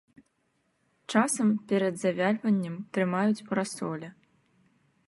Часам перад завяльваннем трымаюць у расоле.